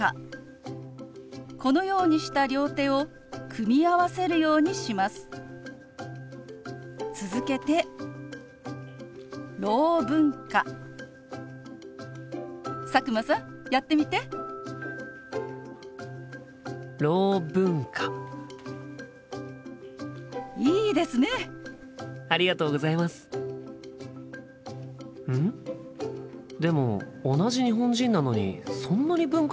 でも同じ日本人なのにそんなに文化が違うのかな？